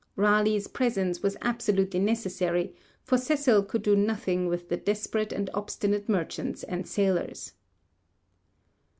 Raleigh's presence was absolutely necessary, for Cecil could do nothing with the desperate and obstinate merchants and sailors.